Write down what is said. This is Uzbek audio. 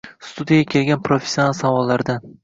Studiyaga kelgan professional savollardan: